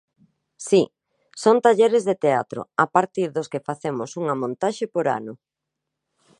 Si, son talleres de teatro, a partir dos que facemos unha montaxe por ano.